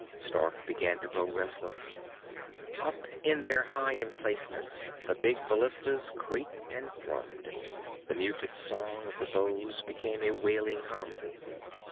Stark began to grow restless. Up in their high emplacements, the big ballistas creaked and thrummed. The muted song of the bows became a wailing hum.